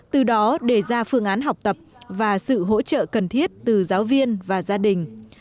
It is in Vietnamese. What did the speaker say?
từ đó đề ra phương án học tập và sự hỗ trợ cần thiết từ giáo viên và gia đình